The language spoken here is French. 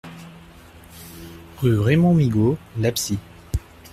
Rue Raymond Migaud, L'Absie